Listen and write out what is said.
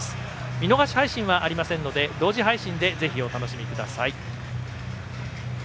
見逃し配信はありませんので同時配信でぜひ、お楽しみください。